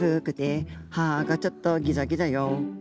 歯がちょっとギザギザよ。